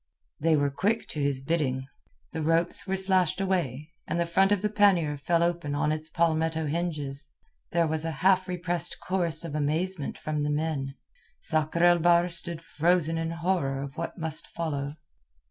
They were quick to his bidding. The ropes were slashed away, and the front of the pannier fell open on its palmetto hinges. There was a half repressed chorus of amazement from the men. Sakr el Bahr stood frozen in horror of what must follow.